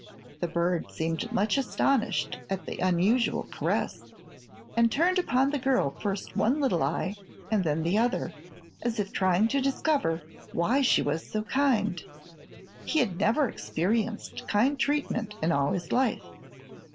The bird seemed much astonished at the unusual caress, and turned upon the girl first one little eye and then the other, as if trying to discover why she was so kind. He had never experienced kind treatment in all his life.